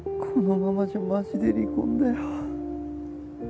このままじゃマジで離婚だよ。